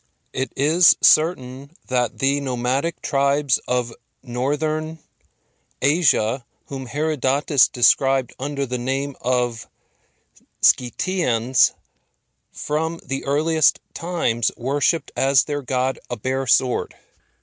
It is certain that the nomadic tribes of Northern Asia, whom Herodotus described under the name of Scythians, from the earliest times worshipped as their god a bare sword.